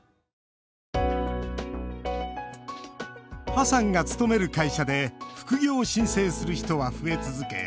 河さんが勤める会社で副業を申請する人は増え続け